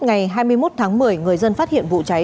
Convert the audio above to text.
ngày hai mươi một tháng một mươi người dân phát hiện vụ cháy